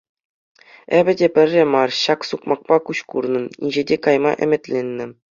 Эпӗ те пӗрре мар ҫак сукмакпа куҫ курнӑ инҫете кайма ӗмӗтленнӗ.